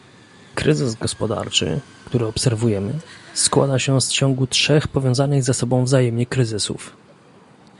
Kryzys gospodarczy, który obserwujemy, składa się z ciągu trzech powiązanych ze sobą wzajemnie kryzysów